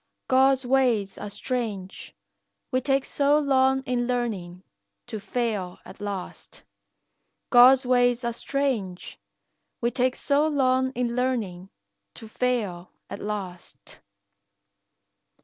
God's ways are strange, we take so long in learnin', To fail at last. God's ways are strange, we take so long in learnin', To fail at last.